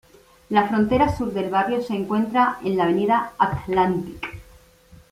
La frontera sur del barrio se encuentra en la avenida Atlantic.